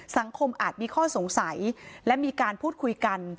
อาจมีข้อสงสัยและมีการพูดคุยกัน